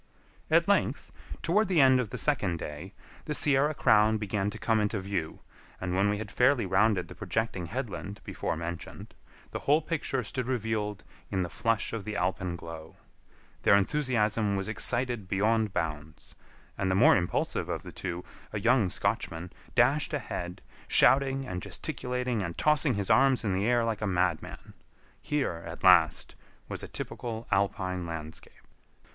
At length, toward the end of the second day, the Sierra Crown began to come into view, and when we had fairly rounded the projecting headland before mentioned, the whole picture stood revealed in the flush of the alpenglow. Their enthusiasm was excited beyond bounds, and the more impulsive of the two, a young Scotchman, dashed ahead, shouting and gesticulating and tossing his arms in the air like a madman. Here, at last, was a typical alpine landscape.